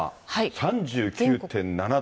３９．７度。